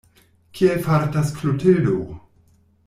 Kiel fartas Klotildo?